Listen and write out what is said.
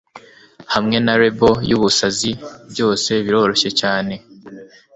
hamwe na label yubusazi. byose biroroshye cyane